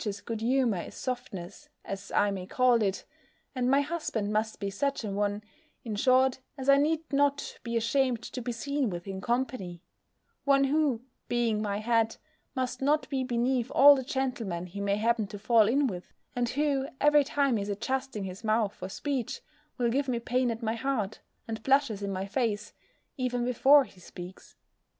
's good humour is softness, as I may call it; and my husband must be such an one, in short, as I need not be ashamed to be seen with in company; one who, being my head, must not be beneath all the gentlemen he may happen to fall in with, and who, every time he is adjusting his mouth for speech, will give me pain at my heart, and blushes in my face, even before he speaks.